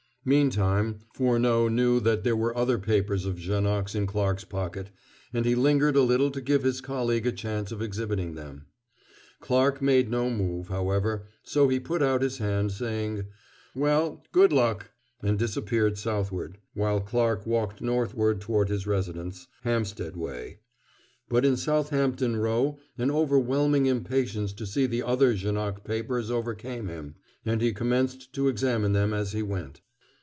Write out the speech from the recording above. Meantime, Furneaux knew that there were other papers of Janoc's in Clarke's pocket, and he lingered a little to give his colleague a chance of exhibiting them. Clarke made no move, however, so he put out his hand, saying, "Well, good luck," and disappeared southward, while Clarke walked northward toward his residence, Hampstead way. But in Southampton Row an overwhelming impatience to see the other Janoc papers overcame him, and he commenced to examine them as he went.